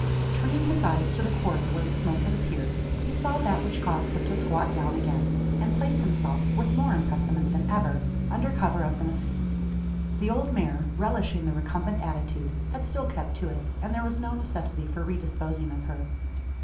Turning his eyes to the quarter where the smoke had appeared, he saw that which caused him to squat down again; and place himself, with more impressement than ever, under cover of the mezquites. The old mare, relishing the recumbent attitude, had still kept to it; and there was no necessity for re disposing of her.